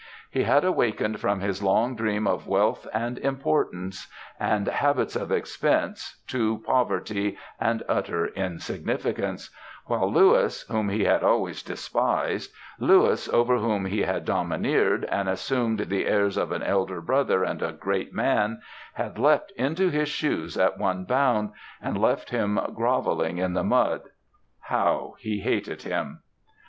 He had awakened from his long dream of wealth and importance, and habits of expense, to poverty and utter insignificance; while Louis, whom he had always despised Louis, over whom he had domineered, and assumed the airs of an elder brother and a great man, had leapt into his shoes at one bound, and left him grovelling in the mud. How he hated him.